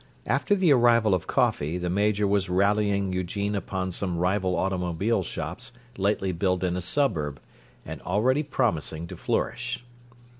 After the arrival of coffee the Major was rallying Eugene upon some rival automobile shops lately built in a suburb, and already promising to flourish.